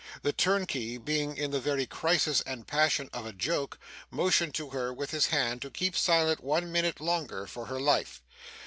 The turnkey, being in the very crisis and passion of a joke, motioned to her with his hand to keep silent one minute longer, for her life.